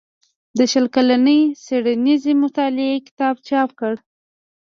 د شل کلنې څيړنيزې مطالعې کتاب چاپ کړ